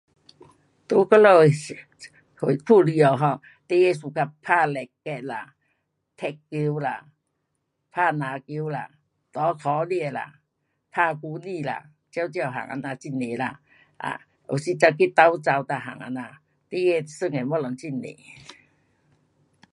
在我们的社区里下 um 孩儿 suka 打 racket 啦，踢球啦，打篮球啦，搭脚车啦，打 guli 啦，各各样这样很多啦。啊，有时就去斗跑每样这样，孩儿玩的东西很多。